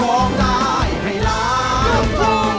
หัวใจลงเกิน